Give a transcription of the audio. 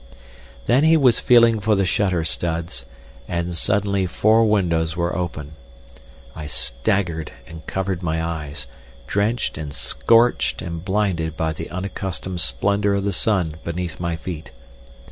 Then he was feeling for the shutter studs, and suddenly four windows were open. I staggered and covered my eyes, drenched and scorched and blinded by the unaccustomed splendour of the sun beneath my feet.